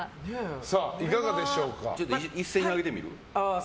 いかがでしょうか？